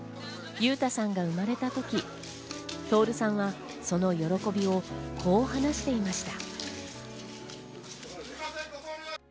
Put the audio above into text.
裕太さんが生まれた時、徹さんはその喜びをこう話していました。